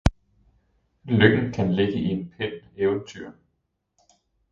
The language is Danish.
Lykken kan ligge i en pind Eventyr